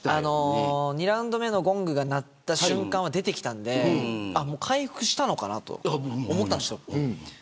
２ラウンド目のゴングが鳴った瞬間は出てきたので回復したのかなと思ったんです。